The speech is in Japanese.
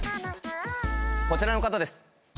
こちらの方です。